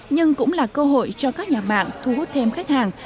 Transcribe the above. nhưng cũng là cơ hội cho các nhà mạng thu hút thêm khách hàng